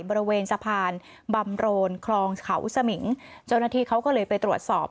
บริเวณสะพานบำโรนคลองเขาสมิงเจ้าหน้าที่เขาก็เลยไปตรวจสอบ